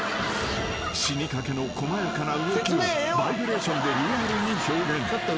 ［死にかけの細やかな動きをバイブレーションでリアルに表現］